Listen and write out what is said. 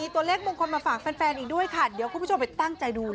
ตัวเลขมงคลมาฝากแฟนอีกด้วยค่ะเดี๋ยวคุณผู้ชมไปตั้งใจดู